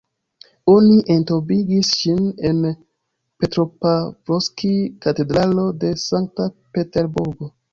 Oni entombigis ŝin en Petropavlovskij-katedralo de Sankt Peterburgo.